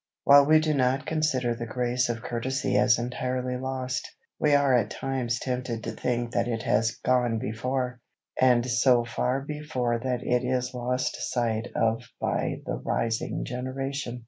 While we do not consider the grace of courtesy as entirely lost, we are at times tempted to think that it has "gone before," and so far before that it is lost sight of by the rising generation.